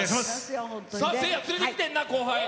せいや、連れてきてんな、後輩。